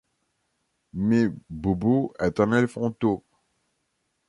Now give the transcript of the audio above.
Mais Bobo est un éléphanteau.